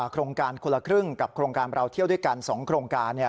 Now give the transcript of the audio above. โครงการคนละครึ่งกับโครงการเราเที่ยวด้วยกัน๒โครงการ